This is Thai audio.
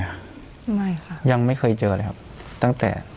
ไม่ค่ะยังไม่เคยเจอเลยครับตั้งแต่